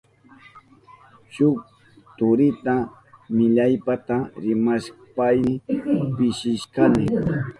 Shuk turita millaypata rimashpayni pishishkani.